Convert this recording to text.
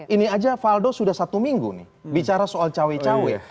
ini saja valdo sudah satu minggu nih bicara soal cewek cewek